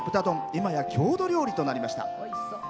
いまや郷土料理となりました。